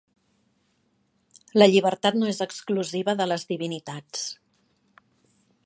La llibertat no és exclusiva de les divinitats.